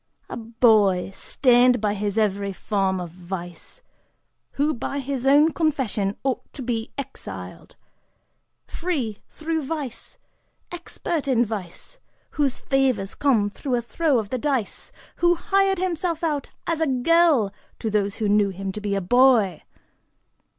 A boy stained by every form of vice, who, by his own confession, ought to be exiled: free, through vice, expert in vice, whose favors came through a throw of the dice, who hired himself out as a girl to those who knew him to be a boy!